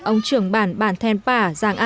ông trưởng bản bản thèn bả giàng an